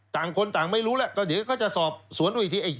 ต่างคนต่างไม่รู้แล้วก็เดี๋ยวเขาจะสอบสวนดูอีกที